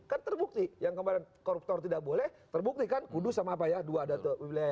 kan terbukti yang kemarin koruptor tidak boleh terbukti kan kudus sama apa ya dua atau wilayah